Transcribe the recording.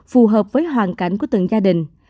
phù hợp với hoàn cảnh của từng gia đình